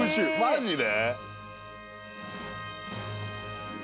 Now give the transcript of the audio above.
マジで？